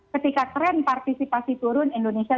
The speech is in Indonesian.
ketika tren partisipasi turun indonesia